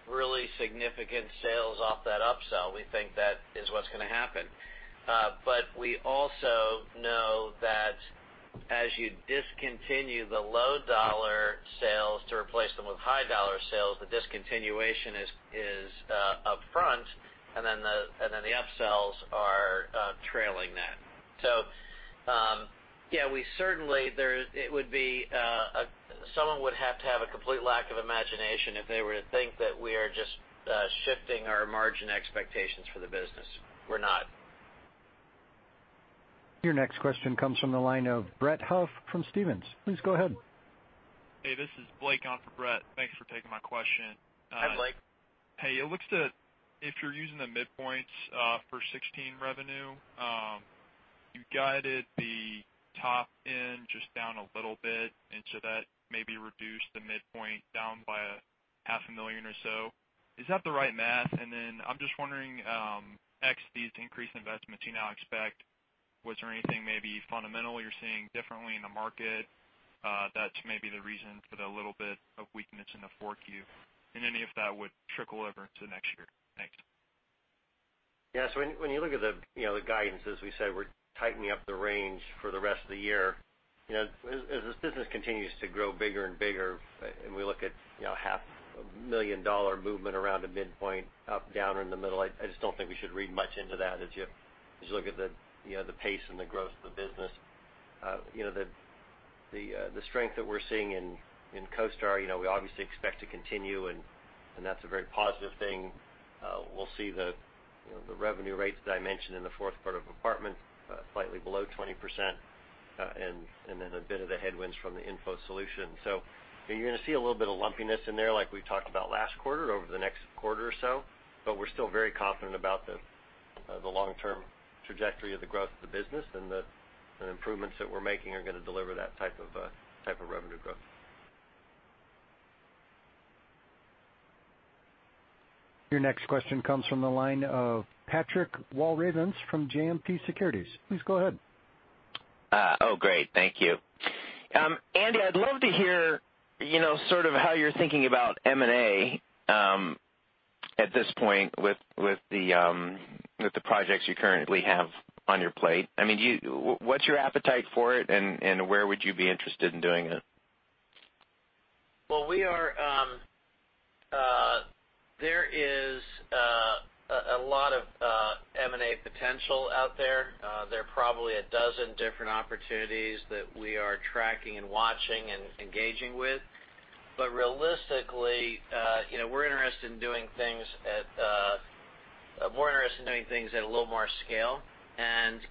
really significant sales off that upsell. We think that is what's going to happen. We also know that as you discontinue the low-dollar sales to replace them with high-dollar sales, the discontinuation is upfront, and then the upsells are trailing that. Yeah, someone would have to have a complete lack of imagination if they were to think that we are just shifting our margin expectations for the business. We're not. Your next question comes from the line of Brett Huff from Stephens. Please go ahead. Hey, this is Blake on for Brett. Thanks for taking my question. Hi, Blake. Hey, it looks to If you're using the midpoints for 2016 revenue, you guided the top end just down a little bit into that maybe reduce the midpoint down by a half a million or so. Is that the right math? Then I'm just wondering, ex these increased investments you now expect, was there anything maybe fundamental you're seeing differently in the market that's maybe the reason for the little bit of weakness in the forecast? Any of that would trickle over into next year. Thanks. When you look at the guidance, as we said, we're tightening up the range for the rest of the year. As this business continues to grow bigger and bigger, and we look at half a million dollar movement around a midpoint up, down, or in the middle, I just don't think we should read much into that as you look at the pace and the growth of the business. The strength that we're seeing in CoStar, we obviously expect to continue, and that's a very positive thing. We'll see the revenue rates that I mentioned in the fourth quarter of Apartment, slightly below 20%, and then a bit of the headwinds from the Info Solutions. You're going to see a little bit of lumpiness in there like we talked about last quarter over the next quarter or so, we're still very confident about the long-term trajectory of the growth of the business, and the improvements that we're making are going to deliver that type of revenue growth. Your next question comes from the line of Patrick Walravens from JMP Securities. Please go ahead. Great. Thank you. Andy, I'd love to hear sort of how you're thinking about M&A at this point with the projects you currently have on your plate. What's your appetite for it, and where would you be interested in doing it? Well, there is a lot of M&A potential out there. There are probably a dozen different opportunities that we are tracking and watching and engaging with. Realistically, we're more interested in doing things at a little more scale.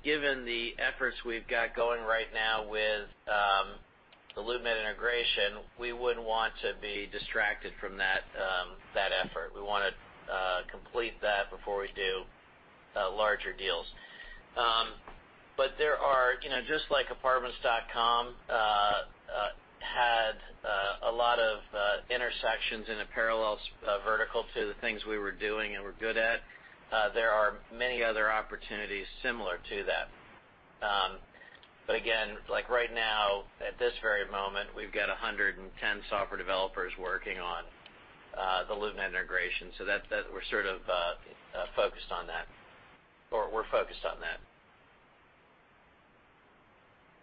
Given the efforts we've got going right now with the LoopNet integration, we wouldn't want to be distracted from that effort. We want to complete that before we do larger deals. Just like Apartments.com had a lot of intersections in a parallel vertical to the things we were doing and were good at, there are many other opportunities similar to that. Again, right now, at this very moment, we've got 110 software developers working on the LoopNet integration, we're sort of focused on that.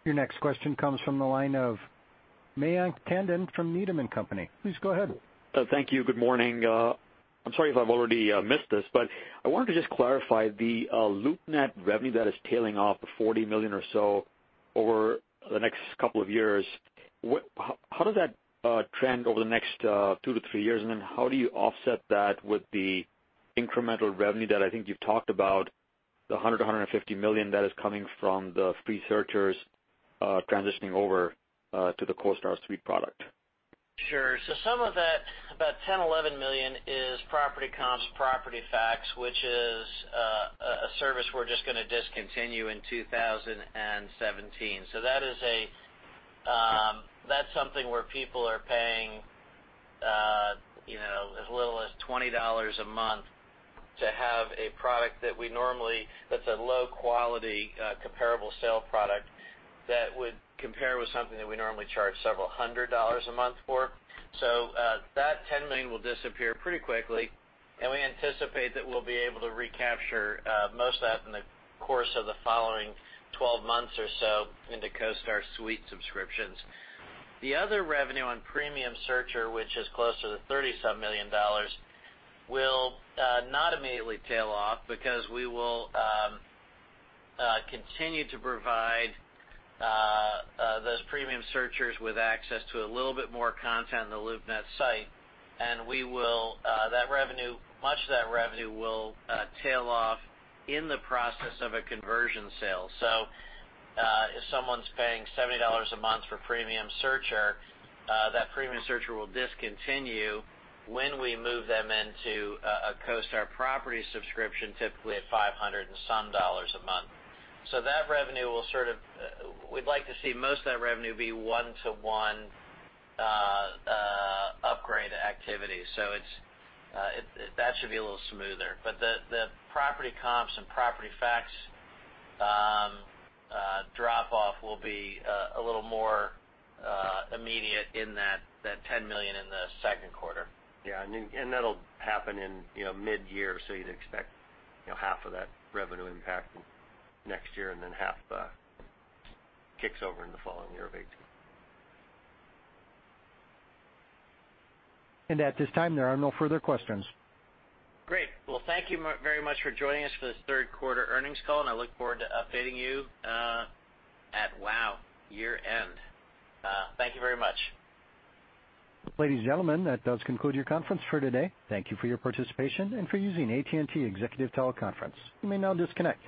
Your next question comes from the line of Mayank Tandon from Needham & Company. Please go ahead. Thank you. Good morning. I'm sorry if I've already missed this, but I wanted to just clarify the LoopNet revenue that is tailing off of $40 million or so over the next couple of years. How does that trend over the next two to three years, and then how do you offset that with the incremental revenue that I think you've talked about, the $100 million-$150 million that is coming from the free searchers transitioning over to the CoStar Suite product? Sure. Some of that, about $10 million-$11 million, is Property Comps, Property Facts, which is a service we're just going to discontinue in 2017. That's something where people are paying as little as $20 a month to have a product that's a low-quality comparable sale product that would compare with something that we normally charge several hundred dollars a month for. That $10 million will disappear pretty quickly, and we anticipate that we'll be able to recapture most of that in the course of the following 12 months or so into CoStar Suite subscriptions. The other revenue on premium searcher, which is closer to $30-some million, will not immediately tail off because we will continue to provide those premium searchers with access to a little bit more content on the LoopNet site, and much of that revenue will tail off in the process of a conversion sale. If someone's paying $70 a month for premium searcher, that premium searcher will discontinue when we move them into a CoStar property subscription, typically at $500 and some dollars a month. We'd like to see most of that revenue be one-to-one upgrade activity. That should be a little smoother. The Property Comps and Property Facts drop-off will be a little more immediate in that $10 million in the second quarter. That'll happen in mid-year, you'd expect half of that revenue impact next year and half kicks over in the following year of 2018. At this time, there are no further questions. Thank you very much for joining us for this third-quarter earnings call. I look forward to updating you at our year-end. Thank you very much. Ladies and gentlemen, that does conclude your conference for today. Thank you for your participation and for using AT&T Executive Teleconference. You may now disconnect.